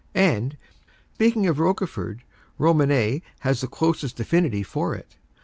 And, speaking of Roquefort, Romanée has the closest affinity for it.